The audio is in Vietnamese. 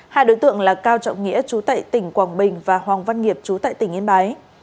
hai đối tượng là cao trọng nghĩa chú tại tỉnh quảng bình và hoàng văn nghiệp chú tại tỉnh yên bái